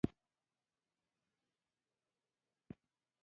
ناارادي يې موږ په واقعيت نه، په خيال پورې تړو.